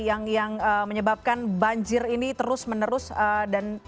yang menyebabkan banjir ini terus menerus dan